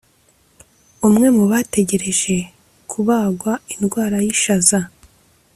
umwe mu bategereje kubagwa indwara y’ishaza